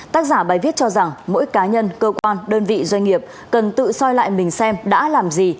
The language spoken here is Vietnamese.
tác giả bài viết cho rằng mỗi cá nhân cơ quan đơn vị doanh nghiệp cần tự soi lại mình xem đã làm gì